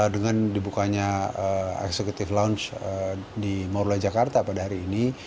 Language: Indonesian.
dengan dibukanya executive lounge di morula jakarta pada hari ini